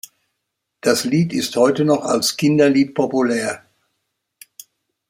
Das Lied ist heute noch als Kinderlied populär.